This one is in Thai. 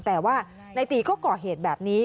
แต่ว่านายตี๋ก็เกาะเหตุแบบนี้